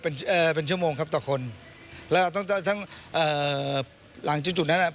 เป็นเอ่อเป็นชั่วโมงครับต่อคนแล้วต้องตั้งทั้งเอ่อหลังจุดจุดนั้นอ่ะ